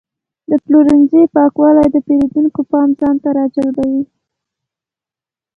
د پلورنځي پاکوالی د پیرودونکو پام ځان ته راجلبوي.